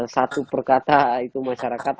satu perkata itu masyarakat